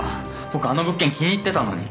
僕あの物件気に入ってたのに！